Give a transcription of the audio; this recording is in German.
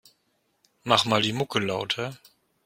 Mach mal die Mucke lauter.